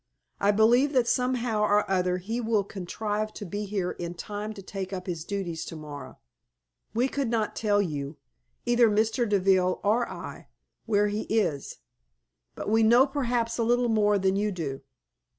I believe that somehow or other he will contrive to be here in time to take up his duties to morrow. We could not tell you either Mr. Deville or I where he is, but we know perhaps a little more than you do.